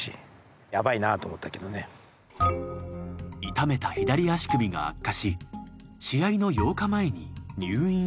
痛めた左足首が悪化し試合の８日前に入院したのだ。